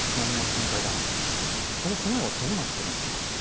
その備えはどうなってるんだろう？